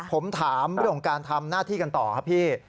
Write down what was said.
ผมถามเรื่องของการทำหน้าที่กันต่อครับพี่